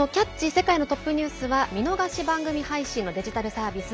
世界のトップニュース」は見逃し配信のデジタルサービス